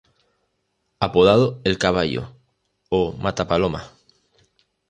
Apodado "el caballo" o "mata palomas".